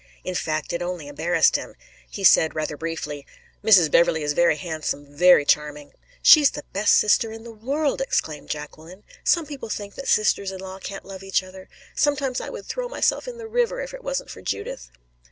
In fact, it only embarrassed him. He said, rather briefly: "Mrs. Beverley is very handsome very charming." "She's the best sister in the world," exclaimed Jacqueline. "Some people think that sisters in law can't love each other. Sometimes I would throw myself in the river if it wasn't for Judith."